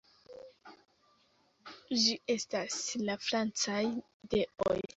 Ĝi estas la francaj ideoj.